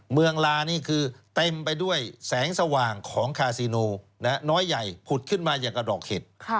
ลานี่คือเต็มไปด้วยแสงสว่างของคาซิโนน้อยใหญ่ผุดขึ้นมาอย่างกับดอกเห็ด